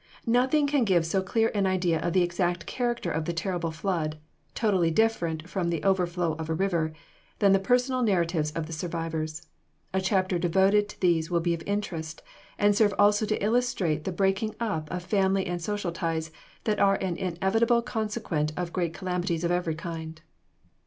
Nothing can give so clear an idea of the exact character of the terrible flood totally different from the overflow of a river than the personal narratives of survivors. A chapter devoted to these will be of interest, and serve also to illustrate the breaking up of family and social ties that are an inevitable consequent of great calamities of every kind.